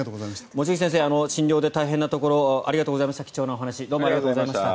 望月先生診療で大変なところ貴重なお話ありがとうございました。